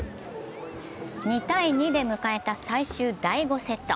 ２−２で迎えた最終第５セット。